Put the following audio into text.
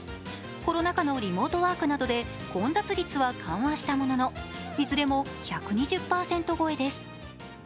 コロナ禍のリモートワークなどで混雑率は緩和したものの、いずれも１２０％超えです。